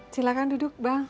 silakan duduk bang